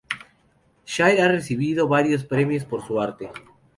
Shire ha recibido varios premios por su arte.